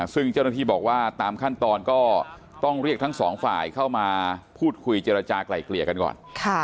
ซึ่งเจ้าหน้าที่บอกว่าตามขั้นตอนก็ต้องเรียกทั้งสองฝ่ายเข้ามาพูดคุยเจรจากลายเกลี่ยกันก่อน